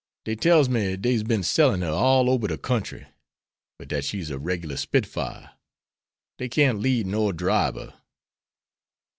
Dey tells me dey's been sellin' her all ober de kentry; but dat she's a reg'lar spitfire; dey can't lead nor dribe her."